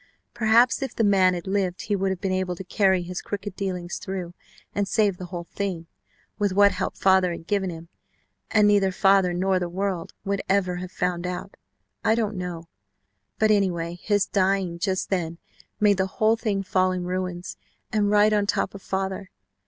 Perhaps if the man had lived he would have been able to carry his crooked dealings through and save the whole thing, with what help father had given him, and neither father nor the world would ever have found out I don't know. But anyway, his dying just then made the whole thing fall in ruins, and right on top of father.